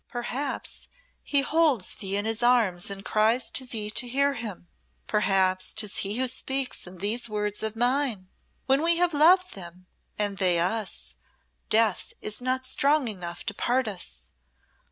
Perhaps he holds thee in his arms and cries to thee to hear him. Perhaps 'tis he who speaks in these words of mine. When we have loved them and they us, death is not strong enough to part us.